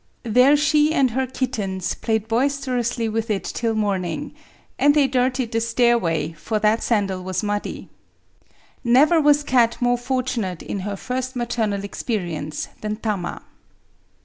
There she and her kittens played boisterously with it till morning ; and they dirtied the stairway, for that sandal was muddy. Never was cat more fortunate in her first maternal experience than Tama.